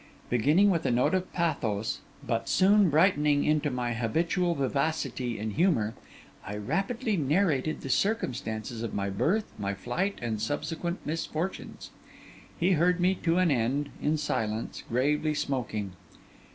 Beginning with a note of pathos, but soon brightening into my habitual vivacity and humour, I rapidly narrated the circumstances of my birth, my flight, and subsequent misfortunes. He heard me to an end in silence, gravely smoking.